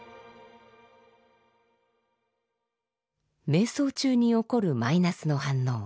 瞑想中に起こるマイナスの反応